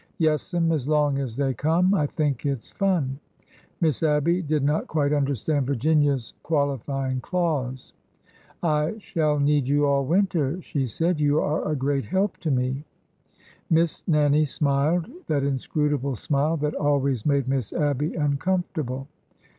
'' Yes'm. As long as they come. I think it 's fun." Miss Abby did not quite understand Virginia's quali fying clause. " I shall need you all winter," she said. " You are a great help to me." Miss Nannie smiled— that inscrutable smile that al ways made Miss Abby uncomfortable.